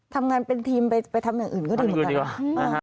ทำงานเป็นทีมไปทำอย่างอื่นก็ดีกว่า